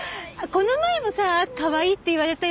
この前もさかわいいって言われたよね。